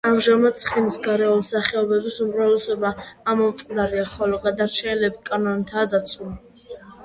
ამჟამად ცხენის გარეული სახეობების უმრავლესობა ამომწყდარია, ხოლო გადარჩენილები კანონითაა დაცული.